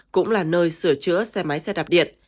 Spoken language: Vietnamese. cũng là nơi sửa chữa xe máy xe đạp điện